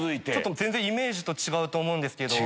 全然イメージと違うと思うんですけど。